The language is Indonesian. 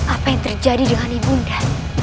apa yang terjadi dengan ibu nda